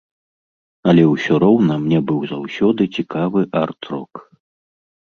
Але ўсё роўна мне быў заўсёды цікавы арт-рок.